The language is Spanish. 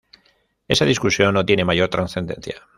Esa discusión no tiene mayor trascendencia.